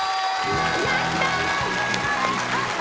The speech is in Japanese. やったー！